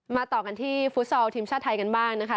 ต่อกันที่ฟุตซอลทีมชาติไทยกันบ้างนะคะ